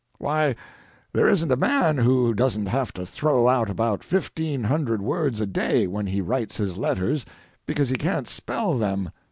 Why, there isn't a man who doesn't have to throw out about fifteen hundred words a day when he writes his letters because he can't spell them!